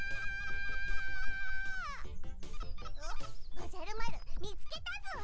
おじゃる丸見つけたぞ。